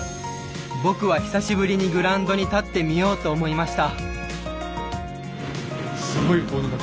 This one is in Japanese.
僕は久しぶりにグラウンドに立ってみようと思いました。